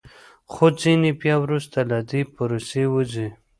خو ځینې بیا وروسته له دې پروسې وځي